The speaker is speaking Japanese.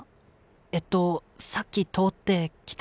えっとさっき通ってきた。